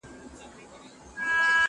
له مکتبه له مُلا يې ستنولم٫